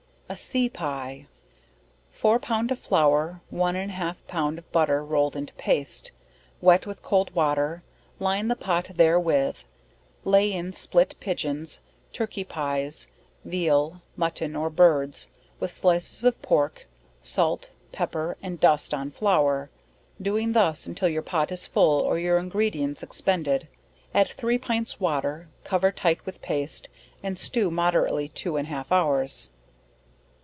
A Sea Pie. Four pound of flour, one and half pound of butter rolled into paste, wet with cold water, line the pot therewith, lay in split pigeons, turkey pies, veal, mutton or birds, with slices of pork, salt, pepper, and dust on flour, doing thus till the pot is full or your ingredients expended, add three pints water, cover tight with paste, and stew moderately two and half hours.